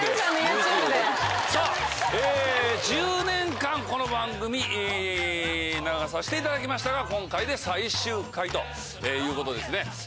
１０年間この番組流させていただきましたが今回で最終回ということですね。